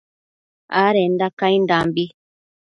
adenda caindambi